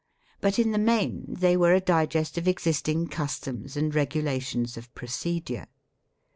But in the main they were a digest of existing customs and regulations of procedure.